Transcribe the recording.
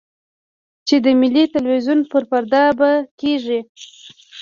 چې د ملي ټلویزیون پر پرده به کېږي.